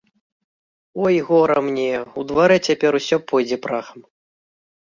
Ой, гора мне, у дварэ цяпер усё пойдзе прахам!